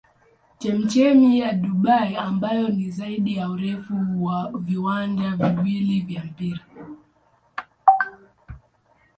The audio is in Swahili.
Chemchemi ya Dubai ambayo ni zaidi ya urefu wa viwanja viwili vya mpira.